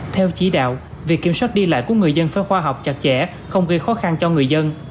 theo chỉ đạo việc kiểm soát đi lại của người dân phải khoa học chặt chẽ không gây khó khăn cho người dân